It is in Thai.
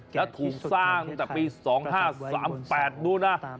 แล้วถูกสร้างตั้งแต่ปี๒๕๓๘นู้นนะ